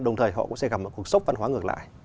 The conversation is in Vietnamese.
đồng thời họ cũng sẽ gặp một cuộc sốc văn hóa ngược lại